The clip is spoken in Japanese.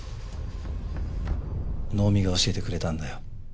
能見が教えてくれたんだよ。